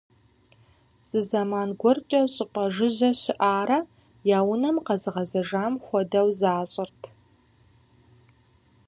Зы зэман гуэркӏэ щӏыпӏэ жыжьэ щыӏарэ, я унэм къагъэзэжам хуэдэу защӏырт.